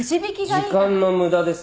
時間の無駄です。